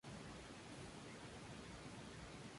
De niño, en su escuela solía cantar en el coro.